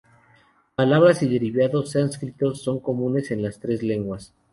Palabras y derivativos sánscritos son comunes en las tres lenguas.